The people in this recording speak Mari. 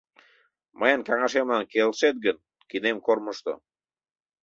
Мыйын каҥашемлан келшет гын, кидем кормыжто.